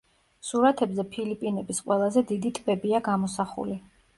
სურათებზე ფილიპინების ყველაზე დიდი ტბებია გამოსახული.